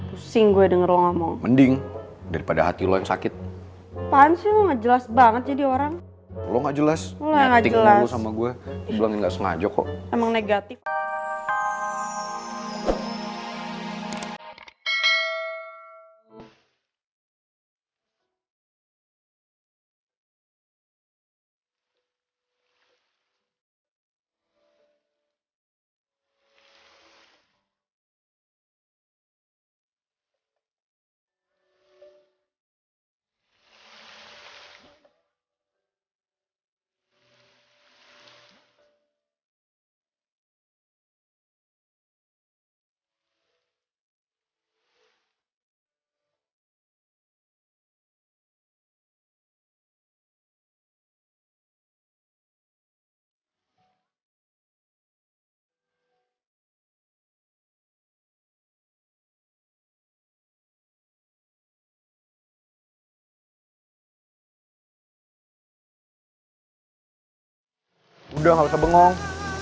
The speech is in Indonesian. udah gak usah bengong